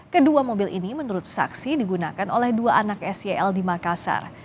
kedua mobil ini menurut saksi digunakan oleh dua anak sel di makassar